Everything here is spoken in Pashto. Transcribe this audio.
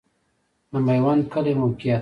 د میوند کلی موقعیت